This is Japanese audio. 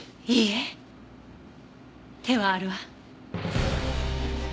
いいえ手はあるわ。